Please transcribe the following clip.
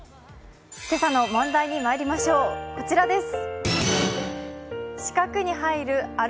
今朝の問題にまいりましょう、こちらです。